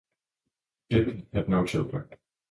Dibb had no children.